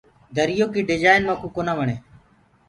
دريو ڪيٚ ڊجآئين ميڪوُ ڪونآ وڻي۔